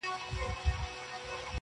• چي جوړ کړی چا خپلوانو ته زندان وي -